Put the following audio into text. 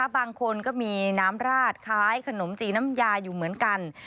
บางคนก็มีน้ำราดคล้ายขนมจีนน้ำยาอยู่เหมือนกัน